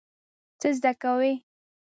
څه زده کوئ؟